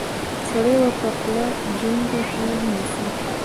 سړي ورته خوله جينګه کړه نو څه.